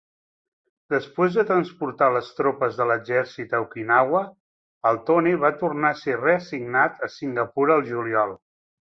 Després de transportar les tropes de l'exèrcit a Okinawa, el "Tone" va tornar a ser reassignat a Singapur al juliol.